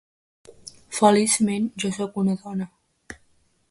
Feliçment, jo sóc una dona.